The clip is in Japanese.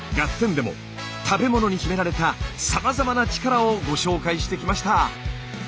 でも食べ物に秘められたさまざまな力をご紹介してきました。